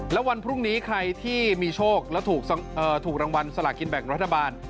แล้ววันพรุ่งนี้ใครที่มีโชคและถูกรางวัลสลากินแบ่งรัฐบาล